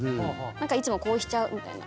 何かいつもこうしちゃうみたいな。